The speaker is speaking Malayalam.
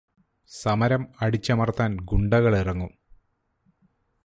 സമരം അടിച്ചമർത്താൻ ഗുണ്ടകളിറങ്ങും.